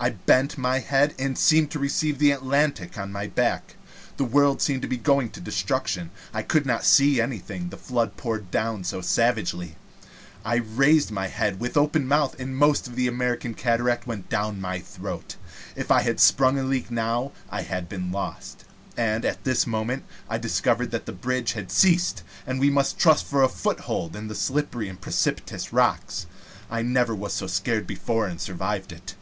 I bent my head, and seemed to receive the Atlantic on my back. The world seemed going to destruction. I could not see anything, the flood poured down savagely. I raised my head, with open mouth, and the most of the American cataract went down my throat. If I had sprung a leak now I had been lost. And at this moment I discovered that the bridge had ceased, and we must trust for a foothold to the slippery and precipitous rocks. I never was so scared before and survived it.